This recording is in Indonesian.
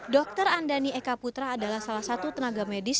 dr andani eka putra adalah salah satu tenaga medis